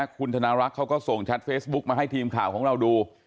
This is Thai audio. คุณธนารักษ์เขาก็ส่งแชทเฟซบุ๊กมาให้ทีมข่าวของเราดู